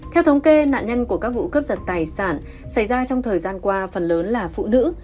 theo thống kê nạn nhân của các vụ cướp giật tài sản xảy ra trong thời gian qua phần lớn là phụ nữ